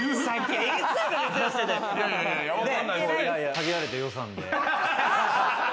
限られた予算で。